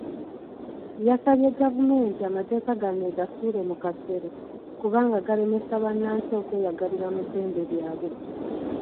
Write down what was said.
Yasabye gavumenti amateeka gano egasuule mu kasero kubanga galemesa bannansi okweyagalira mu ddembe lyabwe.